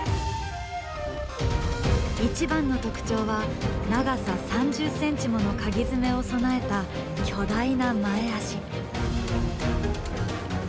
一番の特徴は長さ３０ｃｍものカギ爪を備えた巨大な前足。